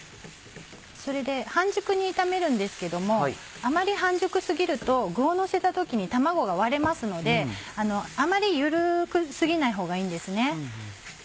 それで半熟に炒めるんですけどもあまり半熟過ぎると具をのせた時に卵が割れますのであまり緩過ぎないほうがいいんですね。